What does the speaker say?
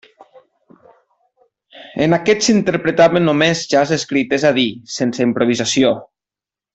En aquest s'interpretava només jazz escrit, és a dir, sense improvisació.